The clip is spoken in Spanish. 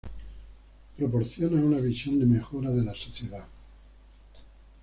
proporciona una visión de mejora de la sociedad